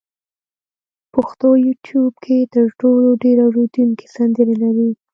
پښتو یوټیوب کې تر ټولو ډېر اورېدونکي سندرې لري.